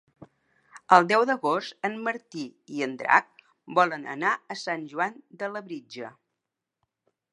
El deu d'agost en Martí i en Drac volen anar a Sant Joan de Labritja.